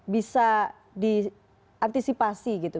bisa diantisipasi gitu